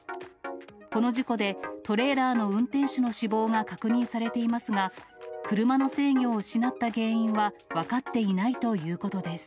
この事故で、トレーラーの運転手の死亡が確認されていますが、車の制御を失った原因は分かっていないということです。